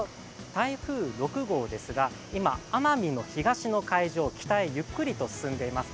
台風６号ですが、今、奄美の東の海上を北へゆっくりと進んでいます。